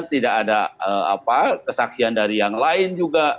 tidak ada kesaksian dari yang lain juga